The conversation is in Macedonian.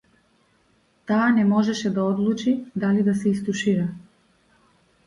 Таа не можеше да одлучи дали да се истушира.